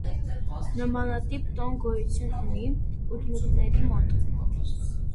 Նմանատիպ տոն գոյություն ունի ուդմուրտների մոտ։